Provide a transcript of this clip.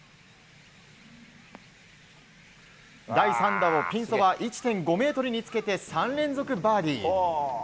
第３打をピンそば１．５ｍにつけて３連続バーディー。